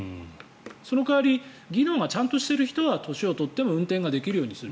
その代わり技能がちゃんとしている人は年を取っても運転できるようにする。